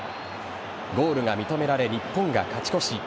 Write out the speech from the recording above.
ゴールが認められ日本が勝ち越し。